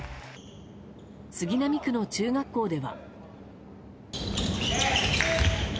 杉並区の中学校では。